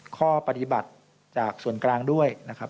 ข้อปฏิบัติจากส่วนกลางด้วยนะครับ